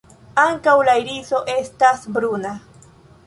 Ankaŭ la iriso estas bruna.